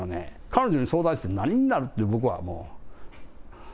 彼女に相談して何になるって僕はもう。